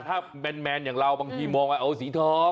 ถ้าแมนอย่างเราบางทีมองว่าเอาสีทอง